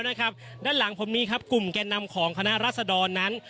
ด้านหลังของผมมีกลุ่มแกนนำของคณะรัฐสดรนั้น